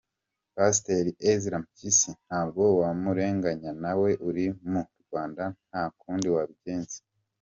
-Pasteur Ezra Mpyisi ntabwo wamurenganya nawe uri mu Rwanda nta kundi wabigenza